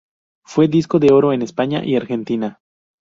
Fue disco de oro en España y Argentina.